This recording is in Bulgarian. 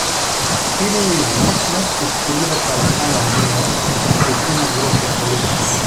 Кирил и вмъкна в костеливата ръка на Нея стотина гроша пари.